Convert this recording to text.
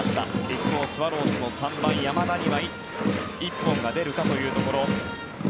一方、スワローズの３番山田にはいつ１本が出るかというところ。